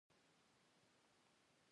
وزې د ځمکې بوی پېژني